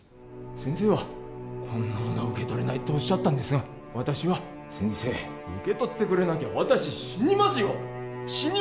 先生はこんなものは受け取れないっておっしゃったんですが私は「先生受け取ってくれなきゃ私死にますよ」